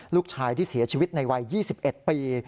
ลูกชายที่เสียชีวิตในวัย๒๑ปี